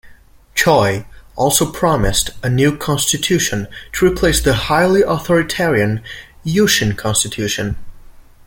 Choi also promised a new constitution to replace the highly authoritarian Yushin Constitution.